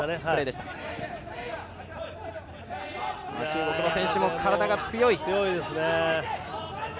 しかし中国の選手も体が強い。